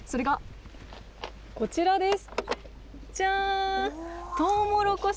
それがこちらです。